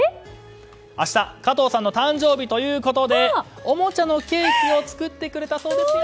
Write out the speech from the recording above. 明日、加藤さんの誕生日ということでおもちゃのケーキを作ってくれたそうですよ！